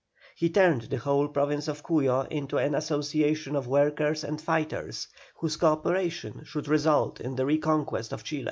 He turned the whole Province of Cuyo into an association of workers and fighters, whose co operation should result in the reconquest of Chile.